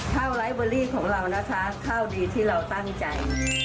ไลท์เบอรี่ของเรานะคะข้าวดีที่เราตั้งใจ